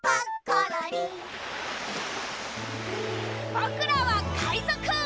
ぼくらはかいぞく。